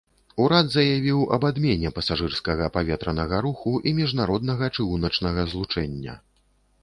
Урад заявіў аб адмене пасажырскага паветранага руху і міжнароднага чыгуначнага злучэння.